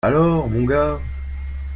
Alors ! Mon gars !